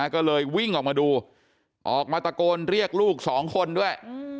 ก็เลยวิ่งออกมาดูออกมาตะโกนเรียกลูกสองคนด้วย